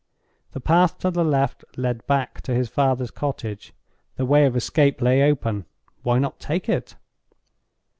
The path to the left led back to his father's cottage—the way of escape lay open. Why not take it?